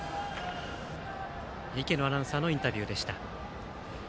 池野アナウンサーのインタビューでした。